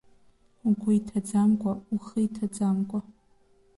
Угәы иҭаӡамкәа, ухы иҭаӡамкәа…